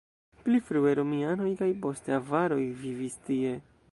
Pli frue romianoj kaj poste avaroj vivis tie.